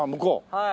はい。